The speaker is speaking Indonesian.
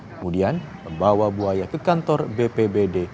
kemudian membawa buaya ke kantor bpbd